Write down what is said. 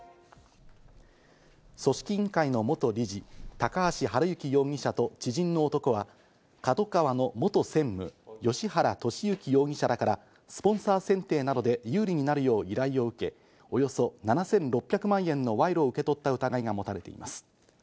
組織委員会の元理事・高橋治之容疑者と知人の男はＫＡＤＯＫＡＷＡの元専務・芳原世幸容疑者らからスポンサー選定などで有利になるよう依頼を受け、およそ７６００万円の賄賂を受け取った疑いがもたれています。